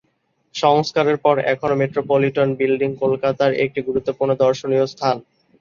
সংস্কারের পর এখনও মেট্রোপলিটান বিল্ডিং কলকাতার একটি গুরুত্বপূর্ণ দর্শনীয় স্থান।